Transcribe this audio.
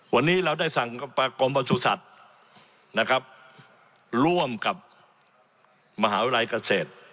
วันนี้เราได้สั่งกรมประสุทธิ์นะครับร่วมกับมหาวิทยาลัยเกษตร